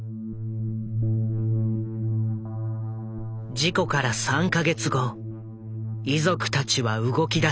事故から３か月後遺族たちは動きだした。